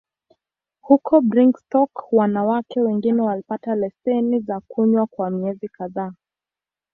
Huko Brigstock, wanawake wengine walipata leseni za kunywa kwa miezi kadhaa.